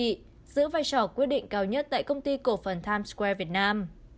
giữ vai trò quyết định cao nhất tại công ty cổ phần times square việt nam